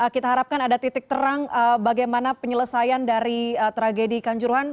kita harapkan ada titik terang bagaimana penyelesaian dari tragedi kanjuruhan